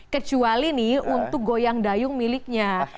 kecuali nih untuk goyang dayung miliknya